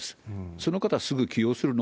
その方、すぐ起用するの？